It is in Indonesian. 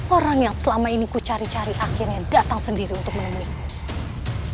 orang yang selama ini ku cari cari akhirnya datang sendiri untuk menemui